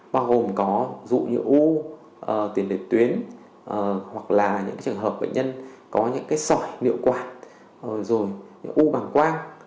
bao gồm có dụ như u tiền đề tuyến hoặc là những trường hợp bệnh nhân có những cái sỏi niệu quạt rồi u bằng quang